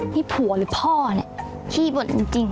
พี่ผัวหรือพ่อเนี่ยขี้บทจริง